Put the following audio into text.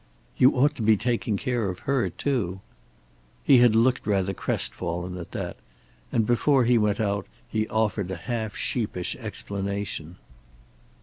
"You ought to be taking care of her, too." He had looked rather crestfallen at that, and before he went out he offered a half sheepish explanation.